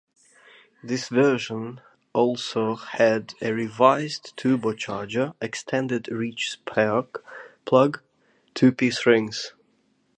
This version also had a revised turbocharger, extended reach spark plugs, two-piece rings.